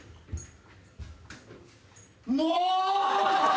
もう！